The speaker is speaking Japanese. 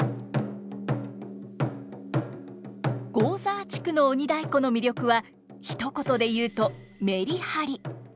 合沢地区の鬼太鼓の魅力はひと言で言うとメリハリ。